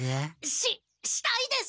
ししたいです！